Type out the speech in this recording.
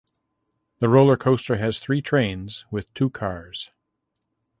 The roller coaster has three trains with two cars.